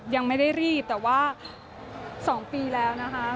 ยังไม่ได้รีบแต่ว่า๒ปีแล้วนะคะ